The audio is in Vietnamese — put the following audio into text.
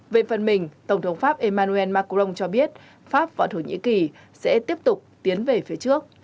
về phần mình tổng thống pháp emmanuel macron cho biết pháp và thổ nhĩ kỳ sẽ tiếp tục tiến về phía trước